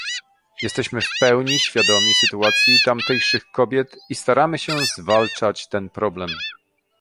Jesteśmy w pełni świadomi sytuacji tamtejszych kobiet i staramy się zwalczać ten problem